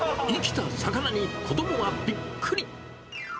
生きた魚に子どもはびっくり。